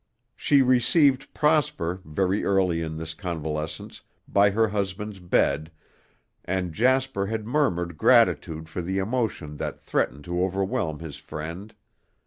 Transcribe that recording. She received Prosper, very early in this convalescence, by her husband's bed, and Jasper had murmured gratitude for the emotion that threatened to overwhelm his friend.